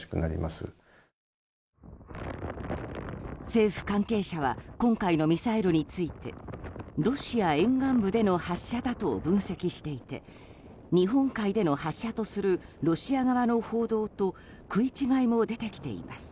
政府関係者は今回のミサイルについてロシア沿岸部での発射だと分析していて日本海での発射とするロシア側の報道と食い違いも出てきています。